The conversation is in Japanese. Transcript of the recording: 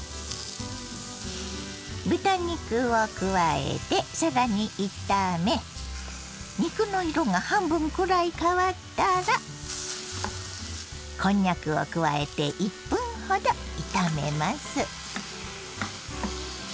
豚肉を加えてさらに炒め肉の色が半分くらい変わったらこんにゃくを加えて１分ほど炒めます。